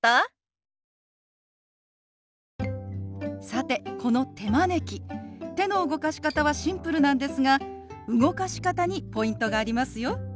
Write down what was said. さてこの手招き手の動かし方はシンプルなんですが動かし方にポイントがありますよ。